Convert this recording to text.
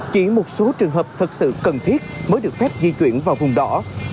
chỉ một số trường hợp thật sự cần thiết mới được phép di chuyển vào vùng đỏ